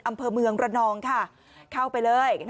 อำเภอเมืองระนองค่ะเข้าไปเลย